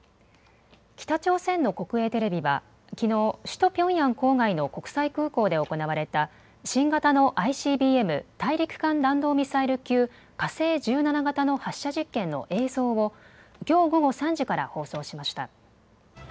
北朝鮮の国営テレビは、きのう、首都ピョンヤン郊外の国際空港で行われた、新型のＩＣＢＭ・大陸間弾道ミサイル級火星１７型の発射実験の映像を、きょう午後３時から放送しました。